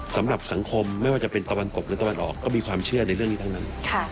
สำหรับสังคมไม่ว่าจะเป็นตะวันตกหรือตะวันออกก็มีความเชื่อในเรื่องนี้ทั้งนั้น